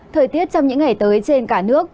thời tiết trong những ngày tới trên cả nước